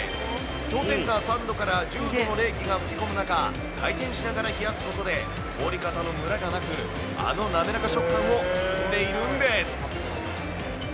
氷点下３度から１０度の冷気が吹き込む中、回転しながら冷やすことで、凍り方のむらがなく、あの滑らか食感を生んでいるんです。